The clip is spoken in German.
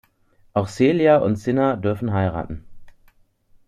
Auch Celia und Cinna dürfen heiraten.